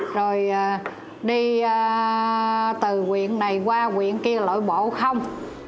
rồi đi từ huyện này qua huyện kia lỗi bổ không